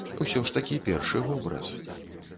Усё ж такі першы вобраз.